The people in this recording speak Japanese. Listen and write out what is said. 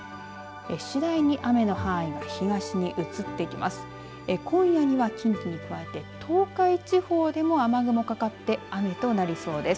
次第に雨の範囲は東に移っていきます。